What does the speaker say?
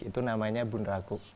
itu namanya buneraku